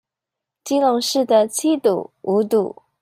基隆市的七堵、五堵